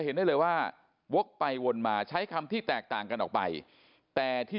เห็นได้เลยว่าวกไปวนมาใช้คำที่แตกต่างกันออกไปแต่ที่